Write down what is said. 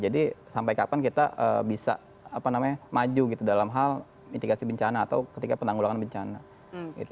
jadi sampai kapan kita bisa apa namanya maju gitu dalam hal mitigasi bencana atau ketika penanggulangan bencana gitu